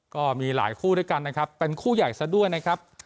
ก็มีหลายคู่ด้วยกันนะครับเป็นคู่ใหญ่ซะด้วยนะครับ